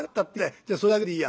じゃあそれだけでいいや。